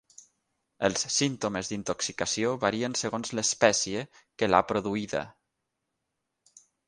Els símptomes d'intoxicació varien segons l'espècie que l'ha produïda.